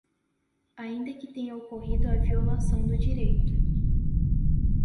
ainda que tenha ocorrido a violação do direito.